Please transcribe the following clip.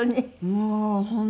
もう本当に。